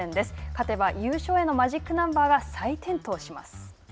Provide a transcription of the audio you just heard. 勝てば優勝へのマジックナンバーが再点灯します。